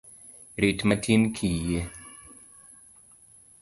Rit matin kiyie.